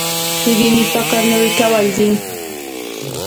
دیني فکر نوی کول دی.